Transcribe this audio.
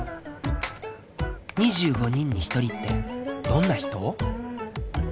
２５人に１人ってどんな人？